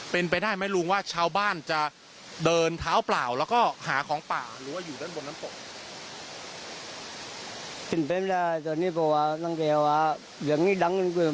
เป็นไปได้ไหมลุงว่าชาวบ้านจะเดินเท้าเปล่าแล้วก็หาของป่าหรือว่าอยู่ด้านบนน้ำตก